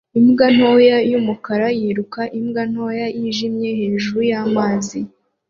Imbwa ntoya y'umukara yiruka imbwa ntoya yijimye hejuru y'amazi